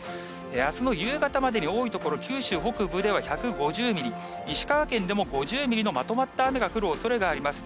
あすの夕方までに、多い所、九州北部では１５０ミリ、石川県でも５０ミリのまとまった雨が降るおそれがあります。